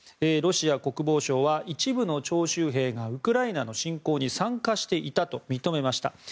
ロシア国防省は一部の徴集兵がウクライナの侵攻に参加していたと認めました。